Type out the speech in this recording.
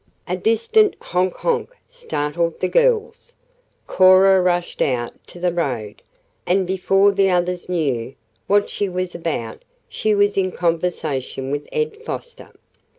A distant "honk honk" startled the girls. Cora rushed out to the road, and before the others knew what she was about she was in conversation with Ed Foster.